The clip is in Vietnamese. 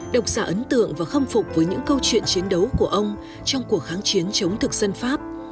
độc giả ấn tượng và khâm phục với những câu chuyện chiến đấu của ông trong cuộc kháng chiến chống thực dân pháp